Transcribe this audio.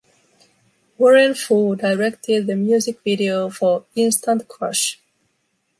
Warren Fu directed the music video for “Instant Crush”.